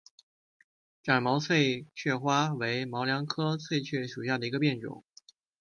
展毛翠雀花为毛茛科翠雀属下的一个变种。